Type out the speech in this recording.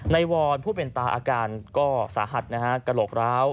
นายวอนผู้เป็นตาอาการก็สาหัสกระโหลกร้าว